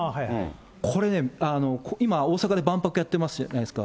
これ、今、大阪で万博やってるじゃないですか。